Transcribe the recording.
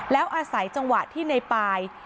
แล้วอาศัยจังหวะที่ในปาย